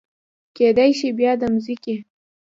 کیدای شي بیا د مځکې